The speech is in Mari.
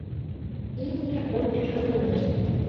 Имне ончышо толеш.